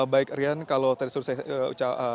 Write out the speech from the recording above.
baik rian kalau tadi saya